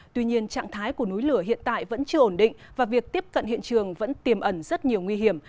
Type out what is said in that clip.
tuy nhiên trạng thái của núi lửa hiện tại vẫn chưa ổn định và việc tiếp cận hiện trường vẫn tiềm ẩn rất nhiều nguy hiểm